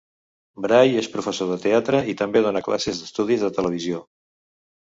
Bray és professor de teatre i també dona classes d'estudis de televisió.